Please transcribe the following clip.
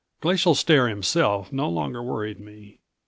Glacial Stare himself no longer worried me.